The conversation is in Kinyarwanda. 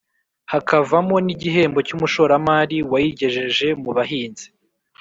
hakavamo n’igihembo cy’umushoramari wayigejeje mu bahinzi